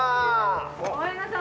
ごめんなさい。